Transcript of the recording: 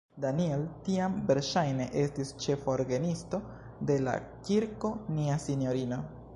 Daniel tiam verŝajne estis ĉefa orgenisto de la Kirko Nia Sinjorino.